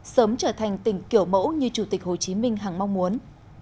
sớm trở thành tỉnh kiểu mẫu như chủ tịch hồ chí minh hằng mong muốn